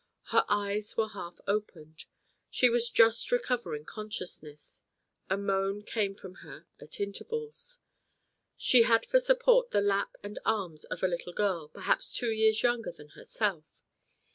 Her eyes were half opened; she was just recovering consciousness; a moan came from her at intervals. She had for support the lap and arms of a little girl, perhaps two years younger than herself.